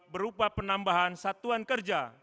berupa penambahan satuan kerja